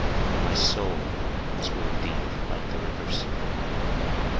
My soul has grown deep like the rivers.